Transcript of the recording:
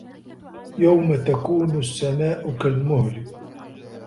يَومَ تَكونُ السَّماءُ كَالمُهلِ